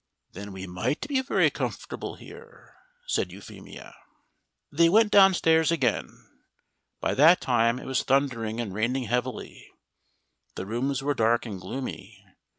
"Then we might be very comfortable here," said Euphemia. They went downstairs again. By that time it was thundering and raining heavily. The rooms were dark and gloomy.